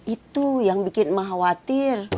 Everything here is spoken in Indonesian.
itu yang bikin emak khawatir